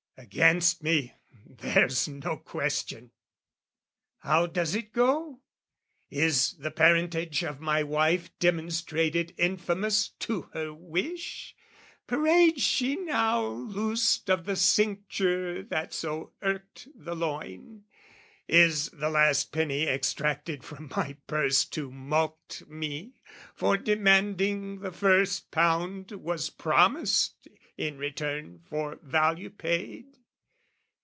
"Against me, there's no question! How does it go? "Is the parentage of my wife demonstrated "Infamous to her wish? Parades she now "Loosed of the cincture that so irked the loin? "Is the last penny extracted from my purse "To mulct me for demanding the first pound "Was promised in return for value paid?